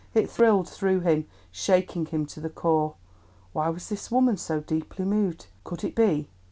It thrilled through him, shaking him to the core. Why was this woman so deeply moved? Could it be——?